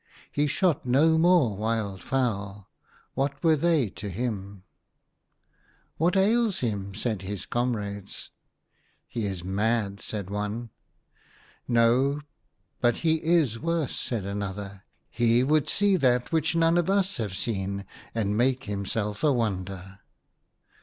He shot no more wild fowl ; what were they to him ?" What ails him ?" said his comrades. " He is mad," said one. " No, but he is worse," said another ;" he would see that which none of us have seen, and make himself a wonder."